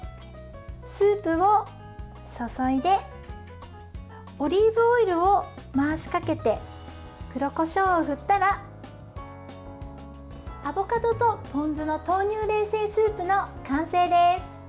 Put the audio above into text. スープを注いでオリーブオイルを回しかけて黒こしょうを振ったらアボカドとポン酢の豆乳冷製スープの完成です。